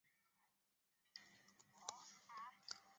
神山由美子是日本兵库县出身的剧本作家。